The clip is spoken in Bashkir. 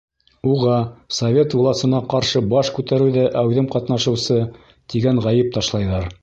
Уға, совет власына ҡаршы баш күтәреүҙә әүҙем ҡатнашыусы, тигән ғәйеп ташлайҙар.